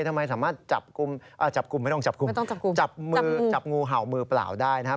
ทำไมสามารถจับงูเห่ามือเปล่าได้นะครับ